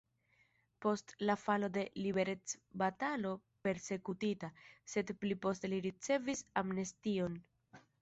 Post la falo de liberecbatalo persekutita, sed pli poste li ricevis amnestion.